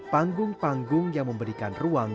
panggung panggung yang memberikan ruang